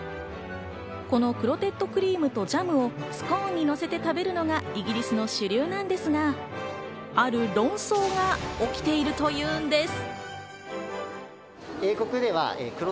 このクロテッドクリームとジャムをスコーンにのせて食べるのがイギリスの主流なんですが、ある論争が起きているというんです。